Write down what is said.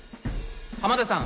「濱田さん